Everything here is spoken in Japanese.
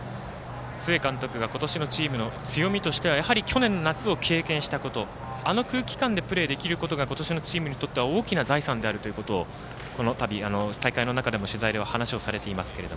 須江監督は今年のチームの強みとしては去年の夏を経験したことあの空気感でプレーできることは今年のチームにとっては大きな財産であるということを大会の中でも取材では話をされています。